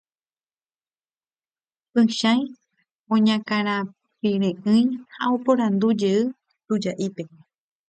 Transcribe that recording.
Pychãi oñakãpire'ỹi ha oporandujey tuja'ípe.